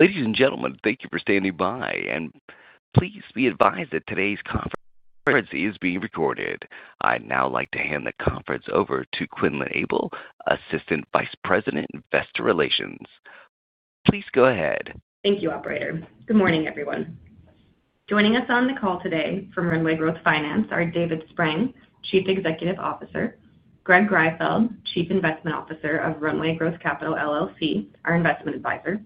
Ladies and gentlemen, thank you for standing by, and please be advised that today's conference is being recorded. I'd now like to hand the conference over to Quinlan Abel, Assistant Vice President, Investor Relations. Please go ahead. Thank you, Operator. Good morning, everyone. Joining us on the call today from Runway Growth Finance are David Spreng, Chief Executive Officer, Greg Greifeld, Chief Investment Officer of Runway Growth Capital LLC, our Investment Advisor, and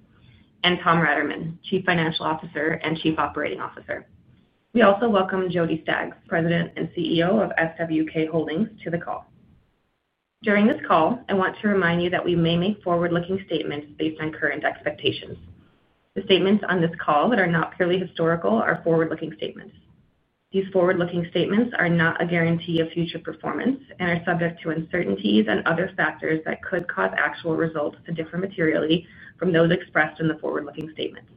Tom Raterman, Chief Financial Officer and Chief Operating Officer. We also welcome Jody Staggs, President and CEO of SWK Holdings, to the call. During this call, I want to remind you that we may make forward-looking statements based on current expectations. The statements on this call that are not purely historical are forward-looking statements. These forward-looking statements are not a guarantee of future performance and are subject to uncertainties and other factors that could cause actual results to differ materially from those expressed in the forward-looking statements,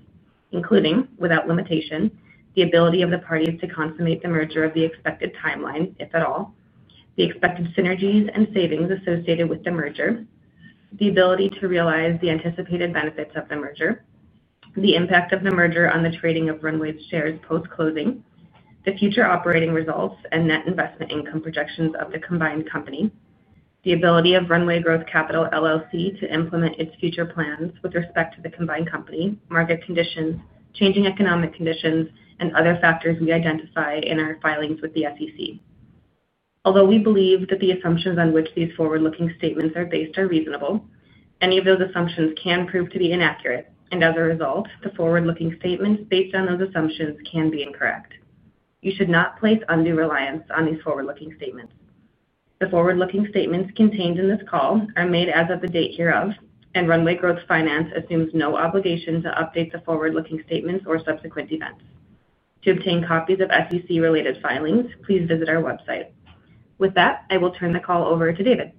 including, without limitation, the ability of the parties to consummate the merger of the expected timeline, if at all. The expected synergies and savings associated with the merger. The ability to realize the anticipated benefits of the merger. The impact of the merger on the trading of Runway's shares post-closing. The future operating results and net investment income projections of the combined company. The ability of Runway Growth Capital LLC to implement its future plans with respect to the combined company, market conditions, changing economic conditions, and other factors we identify in our filings with the SEC. Although we believe that the assumptions on which these forward-looking statements are based are reasonable, any of those assumptions can prove to be inaccurate, and as a result, the forward-looking statements based on those assumptions can be incorrect. You should not place undue reliance on these forward-looking statements. The forward-looking statements contained in this call are made as of the date hereof, and Runway Growth Finance assumes no obligation to update the forward-looking statements or subsequent events. To obtain copies of SEC-related filings, please visit our website. With that, I will turn the call over to David.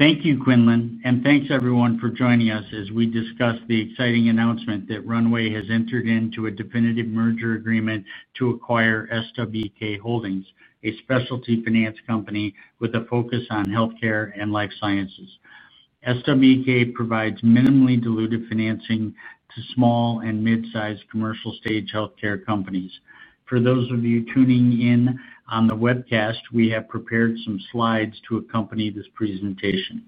Thank you, Quinlan, and thanks, everyone, for joining us as we discuss the exciting announcement that Runway has entered into a definitive merger agreement to acquire SWK Holdings, a specialty finance company with a focus on healthcare and life sciences. SWK provides minimally dilutive financing to small and mid-sized commercial-stage healthcare companies. For those of you tuning in on the webcast, we have prepared some slides to accompany this presentation.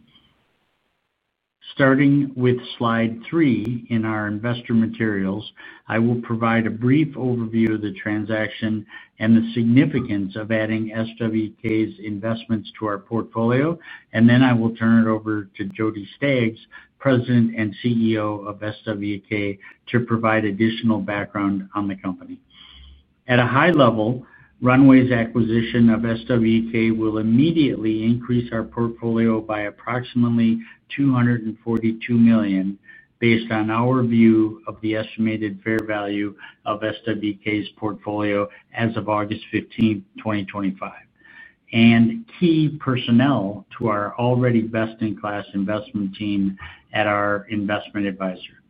Starting with slide three in our investor materials, I will provide a brief overview of the transaction and the significance of adding SWK's investments to our portfolio, and then I will turn it over to Jody Staggs, President and CEO of SWK, to provide additional background on the company. At a high level, Runway's acquisition of SWK will immediately increase our portfolio by approximately $242 million, based on our view of the estimated fair value of SWK's portfolio as of August 15, 2025, and key personnel to our already best-in-class investment team at our investment advisor.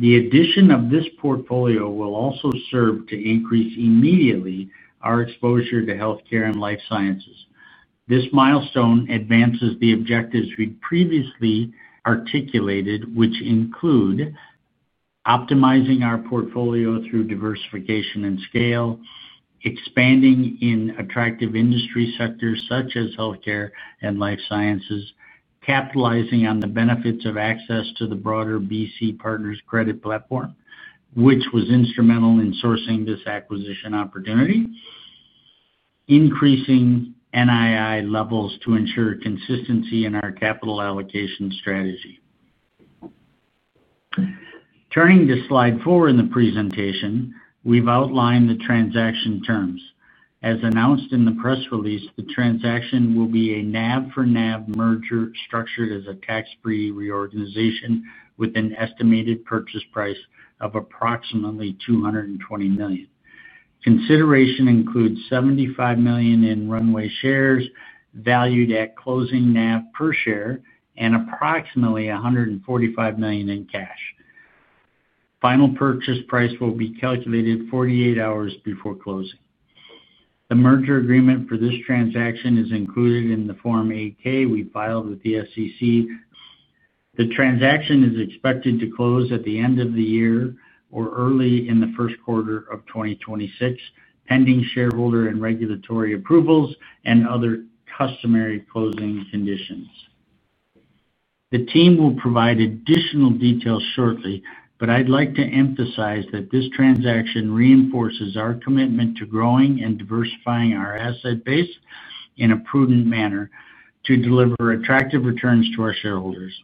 The addition of this portfolio will also serve to increase immediately our exposure to healthcare and life sciences. This milestone advances the objectives we previously articulated, which include optimizing our portfolio through diversification and scale, expanding in attractive industry sectors such as healthcare and life sciences, capitalizing on the benefits of access to the broader BC Partners Credit platform, which was instrumental in sourcing this acquisition opportunity, and increasing NII levels to ensure consistency in our capital allocation strategy. Turning to slide four in the presentation, we've outlined the transaction terms. As announced in the press release, the transaction will be a NAV-for-NAV merger structured as a tax-free reorganization with an estimated purchase price of approximately $220 million. Consideration includes $75 million in Runway shares valued at closing NAV per share and approximately $145 million in cash. Final purchase price will be calculated 48 hours before closing. The merger agreement for this transaction is included in the Form 8-K we filed with the SEC. The transaction is expected to close at the end of the year or early in the first quarter of 2026, pending shareholder and regulatory approvals and other customary closing conditions. The team will provide additional details shortly, but I'd like to emphasize that this transaction reinforces our commitment to growing and diversifying our asset base in a prudent manner to deliver attractive returns to our shareholders.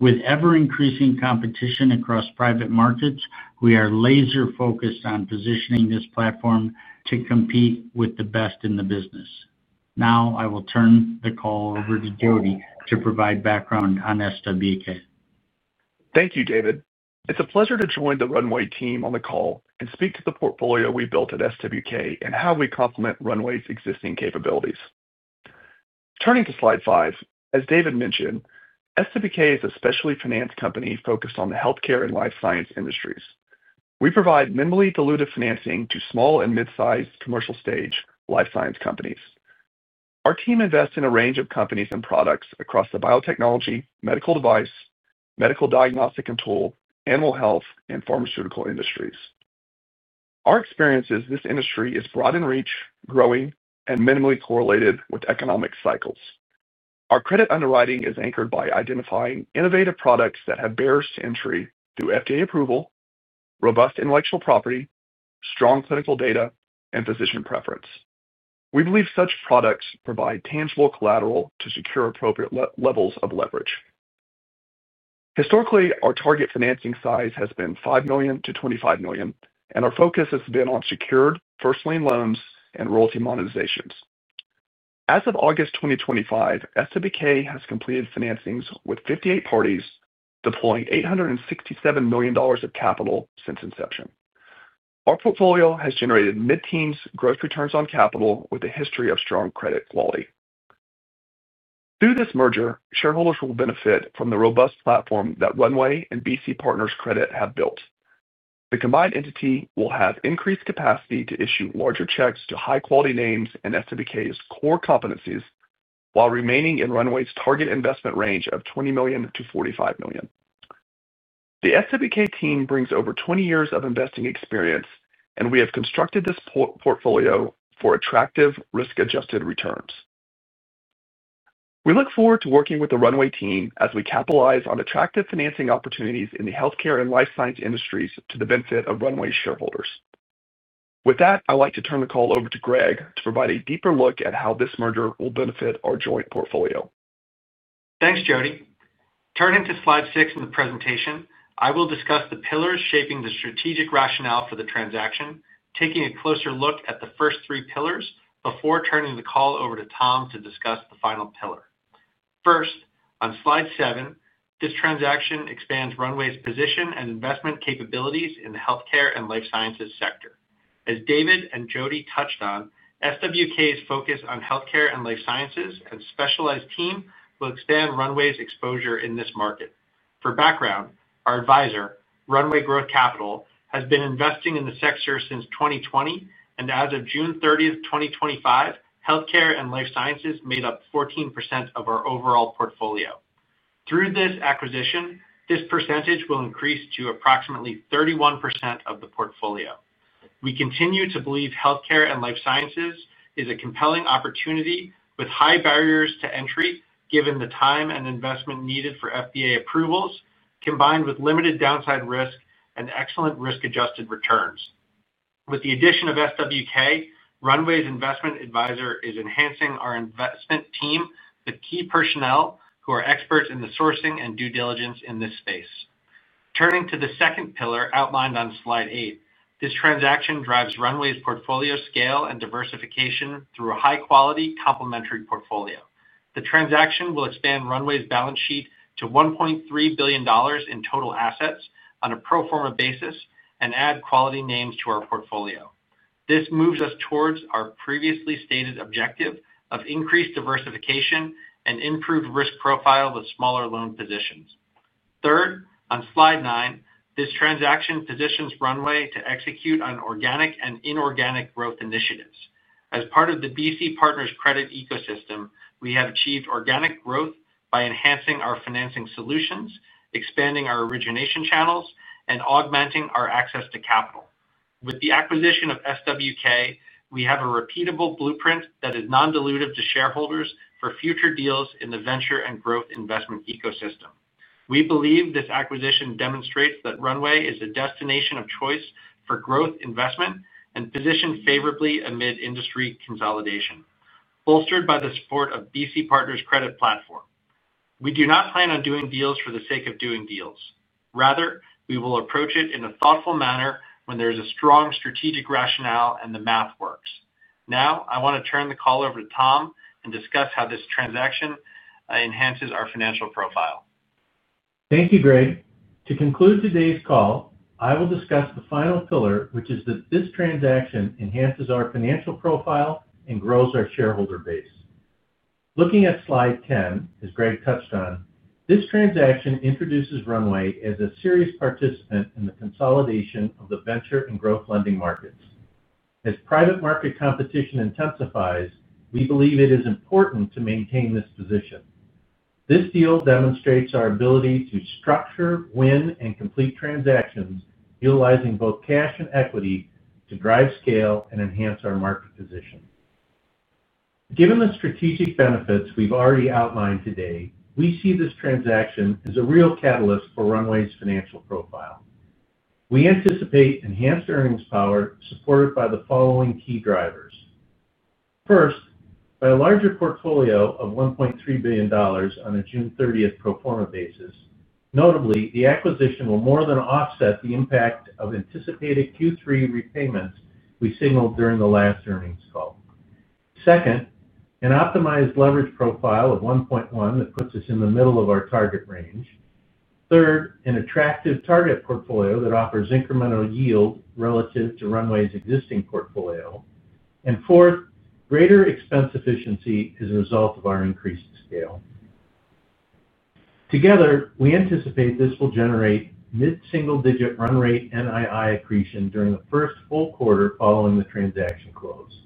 With ever-increasing competition across private markets, we are laser-focused on positioning this platform to compete with the best in the business. Now, I will turn the call over to Jody to provide background on SWK. Thank you, David. It's a pleasure to join the Runway team on the call and speak to the portfolio we built at SWK and how we complement Runway's existing capabilities. Turning to slide five, as David mentioned, SWK is a specialty finance company focused on the healthcare and life science industries. We provide minimally diluted financing to small and mid-sized commercial-stage life science companies. Our team invests in a range of companies and products across the biotechnology, medical device, medical diagnostics and tools, animal health, and pharmaceutical industries. Our experience in this industry is broad in reach, growing, and minimally correlated with economic cycles. Our credit underwriting is anchored by identifying innovative products that have barriers to entry through FDA approval, robust intellectual property, strong clinical data, and physician preference. We believe such products provide tangible collateral to secure appropriate levels of leverage. Historically, our target financing size has been $5 million to $25 million, and our focus has been on secured first-lien loans and royalty monetizations. As of August 2025, SWK has completed financings with 58 parties, deploying $867 million of capital since inception. Our portfolio has generated mid-teens gross returns on capital with a history of strong credit quality. Through this merger, shareholders will benefit from the robust platform that Runway and BC Partners Credit have built. The combined entity will have increased capacity to issue larger checks to high-quality names and SWK's core competencies while remaining in Runway's target investment range of $20 million to $45 million. The SWK team brings over 20 years of investing experience, and we have constructed this portfolio for attractive risk-adjusted returns. We look forward to working with the Runway team as we capitalize on attractive financing opportunities in the healthcare and life science industries to the benefit of Runway's shareholders. With that, I'd like to turn the call over to Greg to provide a deeper look at how this merger will benefit our joint portfolio. Thanks, Jody. Turning to slide six in the presentation, I will discuss the pillars shaping the strategic rationale for the transaction, taking a closer look at the first three pillars before turning the call over to Tom to discuss the final pillar. First, on slide seven, this transaction expands Runway's position and investment capabilities in the healthcare and life sciences sector. As David and Jody touched on, SWK's focus on healthcare and life sciences and specialized team will expand Runway's exposure in this market. For background, our advisor, Runway Growth Capital, has been investing in the sector since 2020, and as of June 30, 2025, healthcare and life sciences made up 14% of our overall portfolio. Through this acquisition, this percentage will increase to approximately 31% of the portfolio. We continue to believe healthcare and life sciences is a compelling opportunity with high barriers to entry given the time and investment needed for FDA approvals, combined with limited downside risk and excellent risk-adjusted returns. With the addition of SWK, Runway's investment advisor is enhancing our investment team with key personnel who are experts in the sourcing and due diligence in this space. Turning to the second pillar outlined on slide eight, this transaction drives Runway's portfolio scale and diversification through a high-quality complementary portfolio. The transaction will expand Runway's balance sheet to $1.3 billion in total assets on a pro forma basis and add quality names to our portfolio. This moves us towards our previously stated objective of increased diversification and improved risk profile with smaller loan positions. Third, on slide nine, this transaction positions Runway to execute on organic and inorganic growth initiatives. As part of the BC Partners Credit ecosystem, we have achieved organic growth by enhancing our financing solutions, expanding our origination channels, and augmenting our access to capital. With the acquisition of SWK, we have a repeatable blueprint that is non-dilutive to shareholders for future deals in the venture and growth investment ecosystem. We believe this acquisition demonstrates that Runway is a destination of choice for growth investment and positioned favorably amid industry consolidation, bolstered by the support of BC Partners Credit platform. We do not plan on doing deals for the sake of doing deals. Rather, we will approach it in a thoughtful manner when there is a strong strategic rationale and the math works. Now, I want to turn the call over to Tom and discuss how this transaction enhances our financial profile. Thank you, Greg. To conclude today's call, I will discuss the final pillar, which is that this transaction enhances our financial profile and grows our shareholder base. Looking at slide 10, as Greg touched on, this transaction introduces Runway as a serious participant in the consolidation of the venture and growth lending markets. As private market competition intensifies, we believe it is important to maintain this position. This deal demonstrates our ability to structure, win, and complete transactions utilizing both cash and equity to drive scale and enhance our market position. Given the strategic benefits we've already outlined today, we see this transaction as a real catalyst for Runway's financial profile. We anticipate enhanced earnings power supported by the following key drivers. First, by a larger portfolio of $1.3 billion on a June 30 pro forma basis, notably, the acquisition will more than offset the impact of anticipated Q3 repayments we signaled during the last earnings call. Second, an optimized leverage profile of 1.1 that puts us in the middle of our target range. Third, an attractive target portfolio that offers incremental yield relative to Runway's existing portfolio. And fourth, greater expense efficiency as a result of our increased scale. Together, we anticipate this will generate mid-single-digit run rate NII accretion during the first full quarter following the transaction close.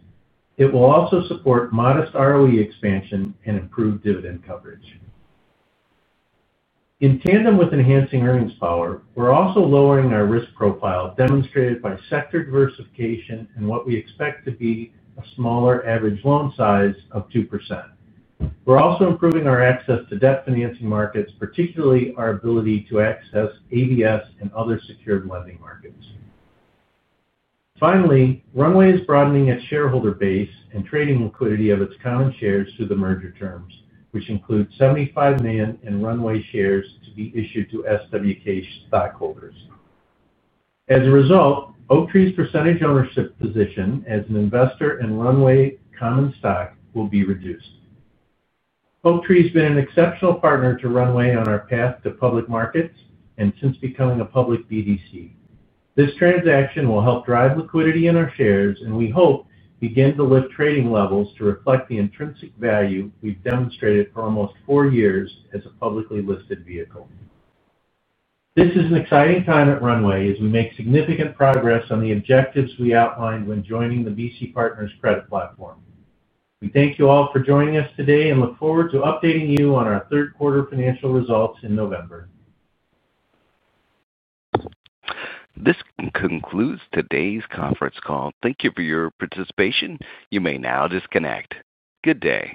It will also support modest ROE expansion and improved dividend coverage. In tandem with enhancing earnings power, we're also lowering our risk profile demonstrated by sector diversification and what we expect to be a smaller average loan size of 2%. We're also improving our access to debt financing markets, particularly our ability to access ABS and other secured lending markets. Finally, Runway is broadening its shareholder base and trading liquidity of its common shares to the merger terms, which include $75 million in Runway shares to be issued to SWK stockholders. As a result, Oaktree's percentage ownership position as an investor in Runway common stock will be reduced. Oaktree has been an exceptional partner to Runway on our path to public markets and since becoming a public BDC. This transaction will help drive liquidity in our shares, and we hope begin to lift trading levels to reflect the intrinsic value we've demonstrated for almost four years as a publicly listed vehicle. This is an exciting time at Runway as we make significant progress on the objectives we outlined when joining the BC Partners Credit platform. We thank you all for joining us today and look forward to updating you on our third quarter financial results in November. This concludes today's conference call. Thank you for your participation. You may now disconnect. Good day.